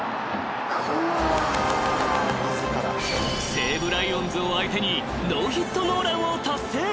［西武ライオンズを相手にノーヒットノーランを達成］